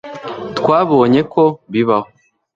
twabonye ko bibaho